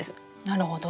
なるほど。